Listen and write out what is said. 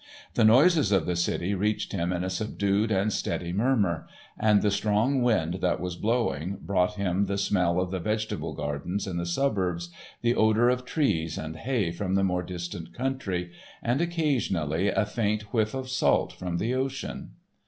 The noises of the city reached him in a subdued and steady murmur, and the strong wind that was blowing brought him the smell of the vegetable gardens in the suburbs, the odour of trees and hay from the more distant country, and occasionally a faint whiff of salt from the ocean.